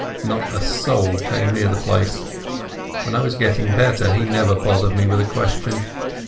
Not a soul came near the place. When I was getting better, he never bothered me with a question.